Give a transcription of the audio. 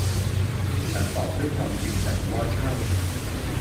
ฉันตอบด้วยความจริงจังว่า ใช่